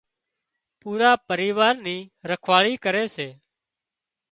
پورا پريوار ني رکواۯي ڪري سي